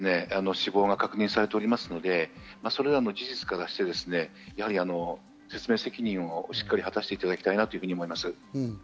１０名の方の死亡が確認されていますので、それらの事実からして説明責任をしっかり果たしていただきたいなと思います。